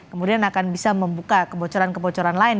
kemudian akan bisa membuka kebocoran kebocoran lain